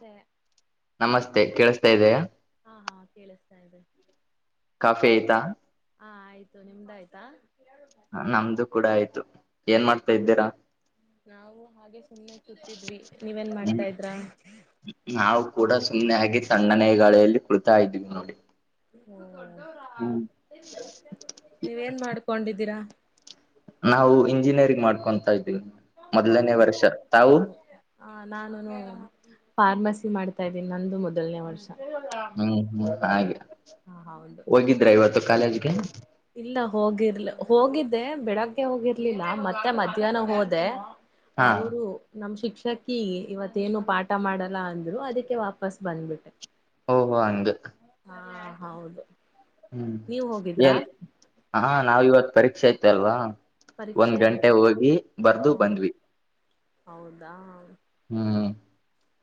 ಸ ನಮಸ್ತೆ ಕೇಳಸ್ತಾ ಇದೆಯಯಾ ಹಾ ಹಾ ಕೇಳಿಸ್ತಾ ಇದೆ ಕಾಫಿ ಆಐ್ತಾ ಹಾ ಆಯ್ತು ನಿಮ್ದ್ ಆಯ್ತಾ ನಮ್ದು ಕೂಡ ಆಯ್ತು ಏನ್ ಮಾಡ್ತಾ ಇದ್ದೀರಾ ನಾವು ಹಾಗೆ ಸುಮ್ನೆ ಕೂತಿದ್ವಿ ನೀವೇನ್ ಹ್ಮ್ ಮಾಡ್ತಾ ಇದ್ರ ನಾವು ಕೂಡ ಸುಮ್ಮ್ನೆ ಹಾಗಿ ತಣ್ಣನೇ ಗಾಳಿಯಲ್ಲಿ ಕುಳಿತಾ ಇದ್ದೀವಿ ನೋಡಿ ಹ್ಮ್ ನೀವೇನ್ ಮಾಡ್ಕೊಂಡಿದ್ದೀರಾ ನಾವು ಇಂಜಿನಿಯರಿಂಗ್ ಮಾಡ್ಕೊಂತಾ ಇದೀವಿ ಮೊದ್ಲನೇ ವರ್ಷ ತಾವು ಹಾ ನಾನುನು ಪಾರ್ಮಸಿ ಮಾಡ್ತಾ ಇದ್ದೀನಿ ನಂದು ಮೊದುಲ್ನೇ ವರ್ಷ್ ಹ್ಮ್ ಹ್ಮ್ ಹಾಗೆ ಹ ಹೌದು ಹೋಗಿದ್ರ ಇವತ್ತು ಕಾಲೇಜ್ಗೆ ಇಲ್ಲ ಹೋಗಿರ್ಲ ಹೋಗಿದ್ದೆ ಬೆಳಗ್ಗೆ ಹೋಗಿರ್ಲಿಲ್ಲ ಮತ್ತೆ ಮಧ್ಯಾಹ್ನ ಹೋದೆ ಹಾ ಅವ್ರು ನಮ್ಮ್ ಶಿಕ್ಷಕಿ ಇವತ್ತೇನು ಪಾಠ ಮಾಡಲ್ಲ ಅಂದ್ರು ಅದುಕ್ಕೆ ವಾಪಸ್ ಬಂದ್ಬಿಟ್ಟೆ ಓಹೋ ಹಂಗೆ ಹಾ ಹೌದು ಹ್ಮ್ ನೀವ್ ಹೋಗಿದ್ರಾ ಏನ್ ಹಾ ನಾವ್ ಇವತ್ ಪರೀಕ್ಷೆ ಆಯ್ತ ಅಲ್ವಾ ಒಂದ್ ಗಂಟೆ ಪರೀಕ್ಷೆ ಹೋಗಿ ಬರ್ದು ಹಾ ಬಂದ್ವಿ ಹೌದಾ ಹ್ಮ್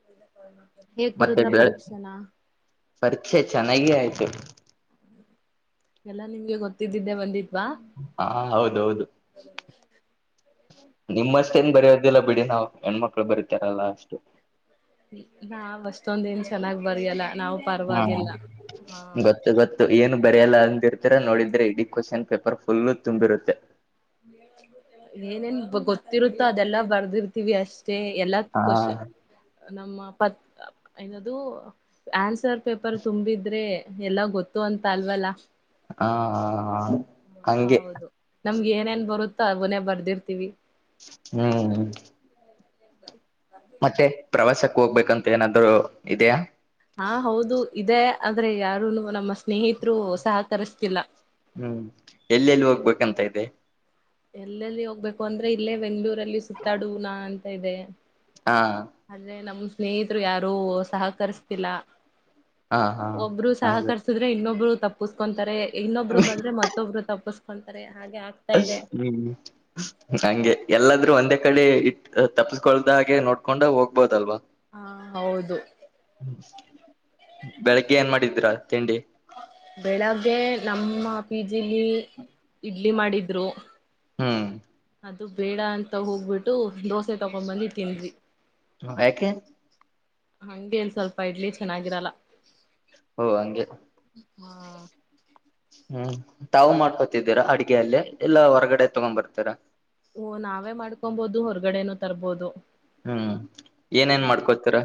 [inaudible] ಮತ್ತೆ ಬೇಳ್ ಪರೀಕ್ಷೆನ ಪರೀಕ್ಷೆ ಚೆನ್ನಾಗಿ ಆಯ್ತು ಎಲ್ಲಾ ನಿಮ್ಗೆ ಗೊತ್ತಿದ್ದಿದ್ದೆ ಬಂದಿದ್ವಾ ಹಾ ಹೌದೌದು [inaudible] ನಿಮ್ಮಷ್ಟೇನ್ ಬರೋದಿಲ್ಲ ಬಿಡಿ ನಾವ್ ಹೆಣ್ಮಕ್ಳು ಬರೀತಾರಲ್ಲ ಅಷ್ಟು ನಾ ಆಟೋದ್ ಏನ್ ಚೆನ್ನಾಗ್ ಬರಿಲ್ಲ ನಾವು ಹಾ ಪರವಾಗಿಲ್ಲ ಹಾ ಗೊತ್ತ ಗೊತ್ತು ಏನು ಬರಿಯಲ್ಲ ಅಂದಿರ್ತರಾ ನೋಡಿದ್ರೆ ಇಡೀ ಕ್ವಶನ್ ಪೇಪರ್ ಫುಲ್ಲು ತುಂಬಿರುತ್ತೆ ಏನೇನ್ ಗೊತ್ತಿರುತ್ತೋ ಅದೆಲ್ಲಾ ಬರ್ದಿರ್ತೀವಿ ಅಷ್ಟ ಮ ಎಲ್ಲಾ ಹಾ ಕ್ವಶನ್ ನಮ್ಮ ಪತ್ ಏನದು ಆನ್ಸರ್ ಪೇಪರ್ ತುಂಬಿದ್ರೆ ಎಲ್ಲ ಗೊತ್ತು ಅಂತ ಅಲ್ವಲ್ಲಾ ಹಾ ಹಗೆ ಹೌದು ನಮ್ಗೆ ಏನೇನ್ ಬರುತ್ತಾ ಮನೆ ಬರ್ದಿರ್ತೀವಿ ಹ್ಮ್ ಮತ್ತೆ ಪ್ರವಾಸಕ್ ಹೋಗ್ಬೇಕಂತ ಏನಾದ್ರು ಇದೆಯಾ ಹಾ ಹೌದು ಇದೇ ಆದ್ರೆ ಯಾರುನು ನಮ್ಮ ಸ್ನೇಹಿತರು ಸಹಕರಿಸ್ತಿಲ್ಲ ಹ್ಮ್ ಎಲ್ಲೆಲ್ಲಿ ಹೋಗ್ಬೇಕಂತ ಇದೆ ಎಲ್ಲೆಲ್ಲಿ ಹೋಗ್ಬೇಕು ಅಂದ್ರೆ ಇಲ್ಲೇ ಬೆಂಗ್ಗಳೂರಲ್ಲಿ ಸುತ್ತಾಡುವನಾ ಅಂತ ಇದೆ ಹಾ ಅ್ರ ನಮ್ ಸ್ನೇಹಿತರು ಯಾರು ಸಹಕರಿಸ್ತಿಲ್ಲ ಹಾ ಹಾ ಒಬ್ರು ಹಾಗೆ ಸಹಕರ್ಸುದ್ರೆ ಇನ್ನೊಬ್ರು ತಪ್ಪಸ್ಕೊಂತಾರೆ ಇನ್ನೊಬ್ರು ಬಂದ್ರೆ ಮತ್ತೆ ಮತ್ಬ್ಬರು ತಪ್ಪಸ್ಕೊಂತಾರೆ ಹಾಗೆ ಆ ಅ ಹ್ಮ್ ನಂಗೆ ಎಲ್ಲಾದ್ರೂ ಒಂದೇ ಕಡೆ ಇ ತಪ್ಸ್ಕೊಳ್ದ ಹಾಗೆ ನೋಡ್ಕೊಂಡ ಹೋಗ್ಬೋದಲ್ವಾ ಹಾ ಹೌದು ಬೆಳಗ್ಗೆ ಏನ್ ಮಾಡಿದಿರಾ ತಿಂಡಿ ಬೆಳಗ್ಗೆ ನಮ್ಮ ಪಿ ಜಿಲಿ ಇಡ್ಲಿ ಮಾಡಿದ್ರು ಹ್ಮ್ ಅದು ಬೇಡ ಅಂತ ಹೋಗ್ಬಿಟ್ಟು ದೋಸೆ ತಕೊಂಡ್ ಬಂದಿ ತಿಂದ್ವಿ ಹ ಯಾಕೆ [unintelligible] ಹಂಗೆ ಇಲ್ಲಿ ಸ್ವಲ್ಪ ಇಡ್ಲಿ ಚೆನ್ನಾಗಿರಲ್ಲ. ಓ ಹಂಗೆ- ಹಾ ಹ್ಮ್, ತಾವು ಮಾಡ್ಕೊಂತಿದ್ದೀರಾ ಅಡ್ಗೆಅಲ್ಲಿ ಎಲ್ಲಾ ಹೊರಗಡೆ ತಗೊಂಡ್ ಬರ್ತೀರಾ ಓ, ನಾವೇ ಮಾಡ್ಕೊಬಹದು ಹೊರಗಡೆನೂ ತರ್ಬೋದು. ಹ್ಮ್, ಏನೇನ್ ಮಾಡ್ಕೊತೀರಾ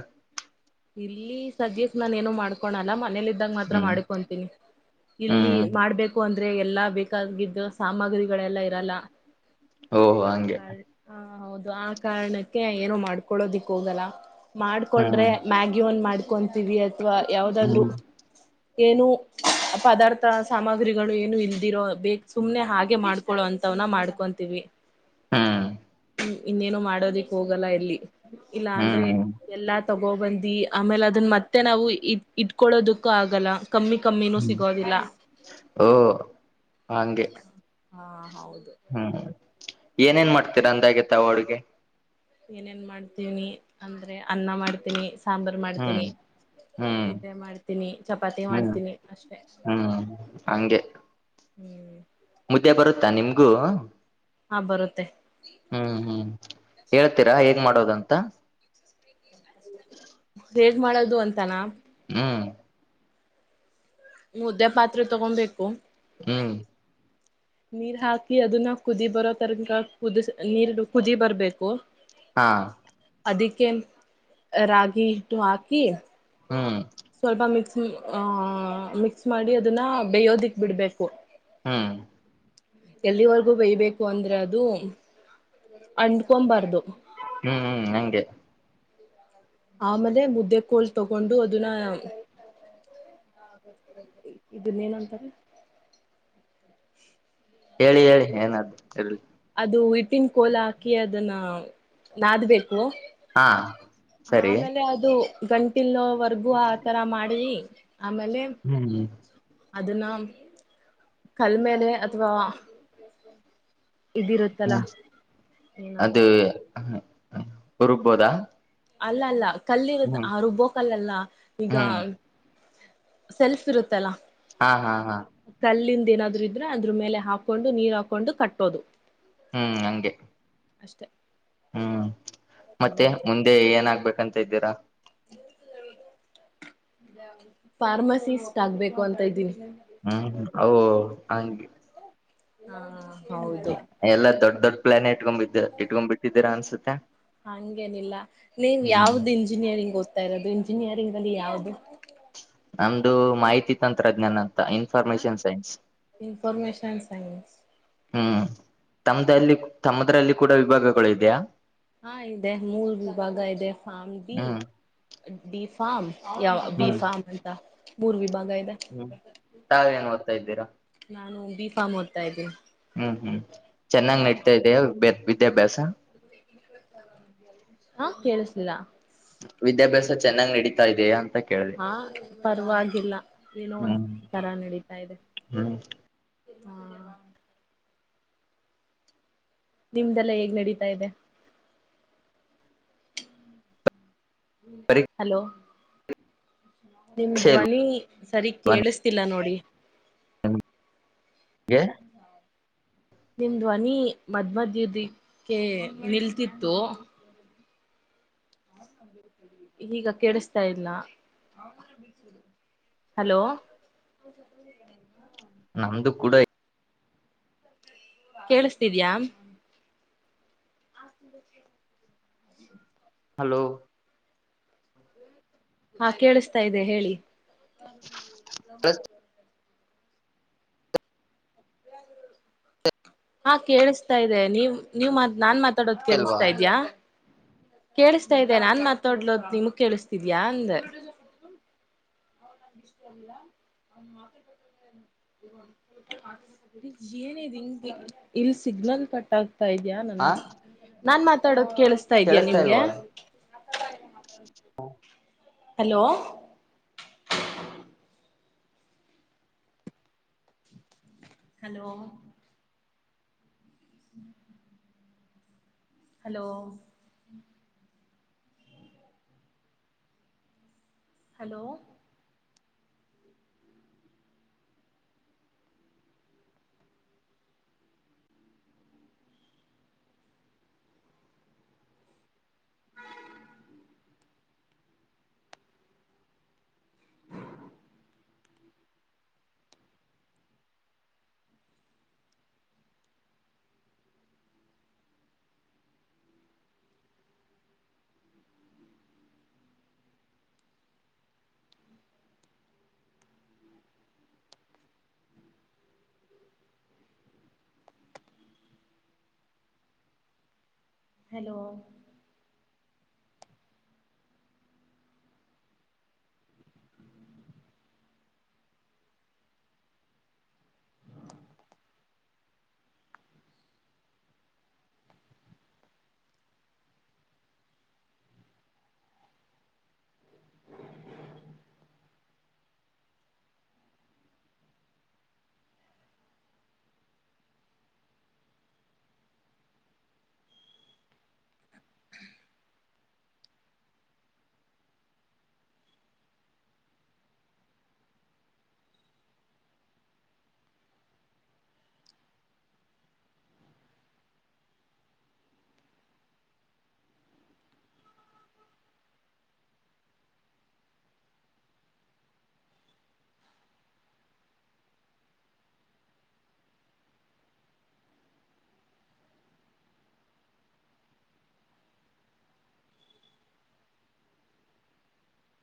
ಇಲ್ಲಿ ಸದ್ಯಕ ನಾನು ಏನು ಮಾಡ್ಕೊಳಲ್ಲ ಮನೇಲಿದ್ದಾಗ ಮಾತ್ರ ಹ್ಮ್ ಮಾಡ್ಕೊಂತೀನಿ. ಇಲ್ಲಿ ಹ್ಮ್ ಮಾಡ್ಬೇಕು ಅಂದ್ರೆ ಎಲ್ಲಾ ಬೇಕಾಗಿದ್ದ ಸಾಮಗ್ರಿಗಳೆಲ್ಲ ಇರಲ್ಲ. ಓಹ ಆ ಹಂಗೆ ಹ ಹೌದು ಆ ಕಾರಣಕ್ಕೆ ಏನೋ ಮಾಡ್ಕೊಳ್ಳೋದಿಕ್ ಹೋಗಲ್ಲ. ಮಾಡ್ಕೊಂಡ್ರೆ ಹ್ಮ್ ಮ್ಯಾಗಿ ಒಂದ ಮಾಡ್ಕೊಂತೀವಿ ಅಥವಾ ಯಾವ್ದಾದ್ರು ಹ್ಮ್ ಏನು- ಪದಾರ್ಥ ಸಾಮಗ್ರಿಗಳು ಏನು ಇಲ್ದಿರೋ ಬ ಸುಮ್ನೆ ಹಾಗೆ ಮಾಡ್ಕೊಳ್ಳ ಅಂತವನ ಮಾಡ್ಕೊ ತಿವಿ [inaudible] ಹಾ [unintelligible] ಇನ್ನೇನು ಮಾಡೋದಿಕ್ ಹೋಗಲ್ಲ ಎಲ್ಲಿ ಇಲ್ಲಾ ಅಂದ್ರೆ ಹ್ಮ್ ಎಲ್ಲಾ ತ ಗೋಬಂದಿ ಆಮೇಲೆ ಅದನ್ ಮತ್ತೆ ನಾವು ಇ ಇಟ್ಕೊಳ್ಳೋದಕ್ಕೂ ಆಗಲ್ಲ. ಕಮ್ಮಿ- ಕಮ್ಮಿನೂ ಹ್ಮ್ ಸಿಗೋದಿಲ್ಲ. ಓ, ಹಂಗೆ ಹಾ, ಹೌದು- ಹ್ಮ್, ಏನೇನ್ ಮಾಡ್ತೀರಾ ಅಂದಾಗೆ ಅಡುಗೆ. ಏನೇನ್ ಮಾಡ್ತೀನಿ ಅಂದ್ರೆ ಅನ್ನ ಮಾಡ್ತೀನಿ. ಹ್ಮ್ ಸಾಂಬಾರಮಾಡ್ತೀನಿ, ಹ್ಮ್ ಮುದ್ದೆ ಮಾಡ್ತೀನಿ, ಚಪಾತಿ ಹ್ಮ್ ಮಾಡ್ತೀನಿ ಅಷ್ಟೆ ಹ್ಮ್ ಹಂಗೆ, ಹ್ಮ್ [inaudible] ಮುದ್ದೆ ಬರುತ್ತಾ ನಿಮಗೂ, - ಹಾ, ಬರುತ್ತೆ. ಹ್ಮ್, ಹ್ಮ್ ಹೇಳ್ತೀರಾ ಹೇಗ್ ಮಾಡೋದಂತ. [inaudible] ಹೇಗ್ ಮಾಡೋದು ಅಂತಾನ ಹ್ಮ್, ಮುದ್ದೆ ಪಾತ್ರೆ ತಗೊಂಬೇಕು. ಹ್ಮ್, ನೀರ್ ಹಾಕಿ ಅದನ್ನ ಕುದಿ ಬರೋ ತರಕ ಕುದ ನೀರ್ ಕುದಿ ಬರ್ಬೇಕು. ಹಾ, ಅದಕ್ಕೆ ರಾಗಿ ಹಿಟ್ಟು ಹಾಕಿ ಹ್ಮ್ ಸ್ವಲ್ಪ ಮಿಕ್ಸ್ ಮಿಕ್ಸ್ ಮಾಡಿ ಅದನ್ನ ಬೇಯೋದಿಕ್ ಬಿಡ್ಬೇಕು. ಹ್ಮ್, ಎಲ್ಲಿವರೆಗೂ ಬೇಯಬೇಕು ಅಂದ್ರೆ ಅದು ಅಂಟಕೊಬಾರ್ದು. ಹ್ಮ್, ಹ್ಮ್ ಹಂಗೆ ಆಮೇಲೆ ಮುದ್ದೆ ಕೋಲ್ ತಗೊಂಡು ಅದನ್ನ ಇದನ್ನ ಏನಂತಾರೆ- ಹೇಳಿ -ಹೇಳಿ ಏನಾದ್ದು ಹೇಳಿ ಅದುನ್ನ ಹಿಟ್ಟಿನ ಕೋಲ ಹಾಕಿ ಅದನ್ನ ನಾದಬೇಕು. ಹಾ ಸರಿ ಆಮೇಲೆ ಅದು ಗಂಟಲ್ವರ್ಗೂ ಆತರ ಮಾಡಿ ಆಮೇಲೆ ಹ್ಮ [inaudible] ಅದನ್ನ ಕಲ್ಲಮೇಲೆಅಥವಾ ಹ್ಮ್ ಏನದು ಅದು ಹುಡ್ಕಬಹುದಾ ಅಲ್ಲ ಅಲ್ಲ ಕಲ್ಲಿರುದ ಆ ರು ಬೊಕಲ್ಲ ಈಗ ಹ್ಮ್ ಸೆಲ್ಫ್ ಇರುತ್ತಲ್ಲ ಹಾ ಹಾ ಹಾ ಕಲ್ಲಿಂದ ಏನಾದ್ರು ಇದ್ರೆ ಅದ್ರ ಮೇಲೆ ಹಾಕೊಂಡು ನೀರ್ ಹಾಕೊಂಡು ಕಟ್ಟೋದು ಹ್ಮ್ ಹಂಗೆ ಅಷ್ಟೇ ಹ್ಮ್ ಮತ್ತೆ ಮುಂದೆ ಏನಾಗ್ಬೇಕಂತಿದ್ದೀರಾ ಫಾರ್ಮಸಿಸ್ಟ್ ಆಗ್ಬೇಕು ಅಂತ ಇದ್ದೀನಿ ಹೂಂ ಹೌದು ಹೌದು ಹಂಗೆ ಹಾ ಹೌದು ಎಲ್ಲ ದೊಡ್ ದೊಡ್ ಪ್ಲಾನ್ ಇಟ್ಕೊಂಡು ಬಿಟ್ಟಿದಿರಾ ಇಟ್ಕೊಂಡ್ ಬಿಟ್ಟಿದ್ದೀರಾ ಅನ್ಸುತ್ತೆ ಹಂಗೇನಿಲ್ಲ ನೀವ್ ಹ್ಮ್ ಯಾವ್ದು ಇಂಜಿನಿಯರಿಂಗ್ ಓದ್ತಾ ಇರೋದು ಇಂಜಿನಿಯರಿಂಗ್ ಲ್ಲಿ ಯಾವ್ದು ನಮ್ದು ಮಾಹಿತಿ ತಂತ್ರಜ್ಞಾನ ಹ ಇನ್ಫರ್ಮೇಷನ್ ಸೈನ್ಸ್ ಹ್ಮ್ ತಮ್ಮ್ದಲ್ಲಿ ತಮ್ಮದ್ರಲ್ಲಿ ಕೂಡ ವಿಭಾಗಗಳು ಇದೆಯಾ ಹಾ ಇದೆ ಮೂರ್ ವಿಭಾಗ ಇದೆ ಫಾಮ್ಡಿ ಹ್ಮ್ ಬಿ ಫಾರ್ಮ್ ಯಾವ ಬಿ ಹ್ಮ್ ಫಾರ್ಮ್ ಅಂತ ಮೂರ್ ವಿಭಾಗ ಇದೆ ಹ್ಮ್ ತಾವೇಏನ್ ಓದ್ತಾ ಇದ್ದೀರಾ ನಾನು ಬಿ ಫಾರ್ಮ್ ಓದ್ತಾ ಇದ್ದೀನಿ ಹ್ಮ್ ಹ್ಮ್ ಹಾ ಚೆನ್ನಾಗಿ್ ನಡ್ತಾ ಇದ ಹೌದು. ವಿದ್ಯಾಭ್ಯಾಸ ಹಾ ಕೇಳಿಸ್ಲಿಲ್ಲ ವಿದ್ಯಾಭ್ಯಾಸ ಚೆನ್ನಾಗಿ ನಡೀತಾ ಇದೆ ಅಂತ ಕೇಳಿದೆ ಹಾ ಪರ್ವಾಗಿವಾಗಿಲ್ಲ ಏನೋ ಒಂದ್ ಹ್ಮ್ ತರ ನಡತಾ ಇದೆ ಹ್ಮ್ ಹ್ಮ ನಿಮ್ದಲ್ಲ ಹೇಗ್ ನಡೀತಾ ಇದೆ ಹಲೋ ನಿಮ ಪರೀಕ್ಷೆ ಧ್ವನಿ ಸರಿ ಇಲ್ವಾ ಕೇಳಿಸ್ತಿಲ್ಲ ನೋಡಿ ಗೆ ನಿಮ್ ಧ್ವನಿ ಮದ್ ಮದದಕ್ಕೆ ನಿಲ್ತಿತ್ತು ಈಗ ಕೇಳಿಸ್ತಾ ಇಲ್ಲ ಹಲೋ [inaudible] ನಮ್ದು ಕೂಡ ಕೇಳಿಸಸ್ತಿದ್ಯಾ [inaudible] ಹಲೋ ಹಾ ಕೇಳಿಸ್ತಾ ಇದೆ ಹೇಳಿ ಸ [inaudible] ಹಾ ಕೇಳಿಸ್ತಾ ಇದೆ ನೀವ್ ನೀವ್ ಮಾತ್ ನಾನ್ ಮಾತಾಡೋದ ಇಲ್ವಾ ಕೇಳಿಸತಾ ಇದ್ಯಾ ಕೇಳಿಸ್ತಾ ಇದೆ ನಾನ್ ಮಾತಾಡ್ಲೋದ ನಿಮಗ್ ಕೇಳಿಸ್ತಿದ್ಯಾ ಅಂದ ಷ್ಟ [unintelligible] ಇಲ್ಲಿ ಸಿಗ್ನಲ್ ಕಟ್ ತಾ ಇದ್ಯಾಾ ಹಾ ನನ್ನ ನಾನ್ ಮಾತಾಡೋದು ಕೇಳಿಸತಾ ಇದ್ಯಾಯಾ ಕೇಳಿಸ್ತಾ ನಿಮ್ಗೆ ಹ ಹಲೋ ಹಲೋ. ಹ್ಮ್ [inaudible] ಹಲೋ. ಹಲೋ. ಹಲೋ. [inaudible]